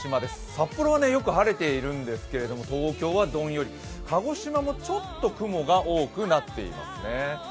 札幌はよく晴れているんですけれども、東京はどんより鹿児島もちょっと雲が多くなっていますね。